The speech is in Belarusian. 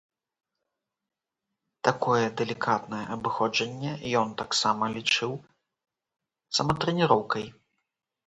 Такое далікатнае абыходжанне ён таксама лічыў саматрэніроўкай.